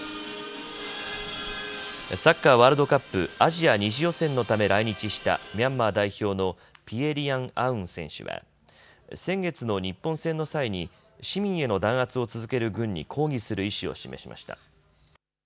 サッカーワールドカップ、アジア２次予選のため来日したミャンマー代表のピエ・リアン・アウン選手は先月の日本戦の際に市民への弾圧を続ける軍に抗議する意思を示しました。